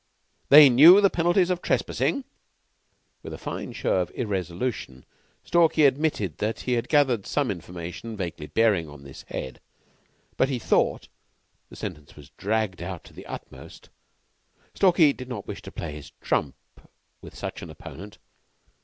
They knew the penalties of trespassing? With a fine show of irresolution, Stalky admitted that he had gathered some information vaguely bearing on this head, but he thought The sentence was dragged out to the uttermost: Stalky did not wish to play his trump with such an opponent.